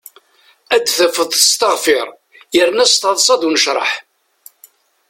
Ad tafeḍ yesteɣfir yerna s taḍsa d unecraḥ.